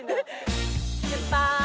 出発！